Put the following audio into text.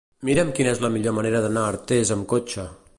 Mira'm quina és la millor manera d'anar a Artés amb cotxe.